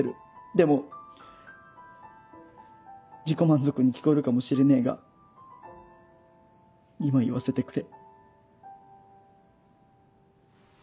でも自己満足に聞こえるかもしれねえが今言わせてくれ。